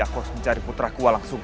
aku harus mencari putra gua langsung